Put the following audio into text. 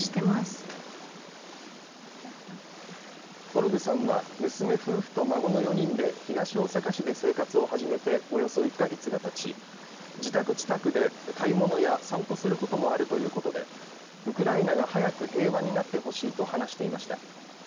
ホルブさんは娘夫婦と孫の４人で東大阪市で生活を始めておよそ１か月がたち自宅近くで買い物や散歩することもあるということでウクライナが早く平和になってほしいと話していました。